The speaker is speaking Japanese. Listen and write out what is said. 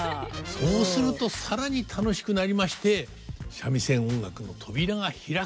そうすると更に楽しくなりまして三味線音楽の扉が開くとこう思います。